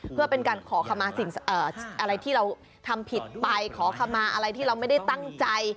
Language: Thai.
เพื่อเป็นการขอคำมาสิ่งอะไรที่เราทำผิดไปขอคำมาอะไรที่เราไม่ได้ตั้งใจ